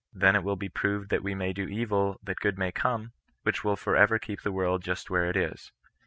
Then it will be proved that we may do evil that good may come, which will for ever keep tie world just where it is.